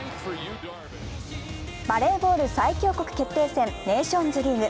バレーボール最強国決定戦、ネーションズリーグ。